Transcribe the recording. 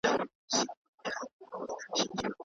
قدرت تلپاتې نه وي.